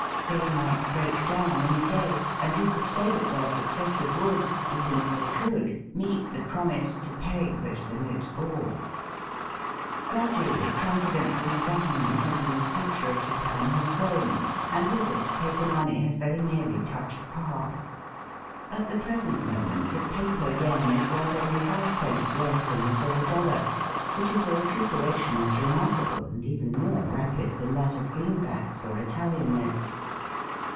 They might break down any day, and who could say that their successors would, even if they could, meet the promise to pay which the notes bore ? Gradually confidence in the Government and in the future of Japan has grown, and with it paper money has very nearly touched par. At the present moment a paper yen is worth only fivepence less than the silver dollar, which is a recuperation as remarkable and even more rapid than that of greenbacks or Italian notes.